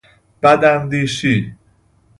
بداندیشی